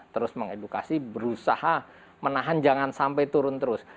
terus mengedukasi berusaha menahan jangan sampai turun terus